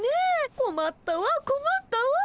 こまったわこまったわ。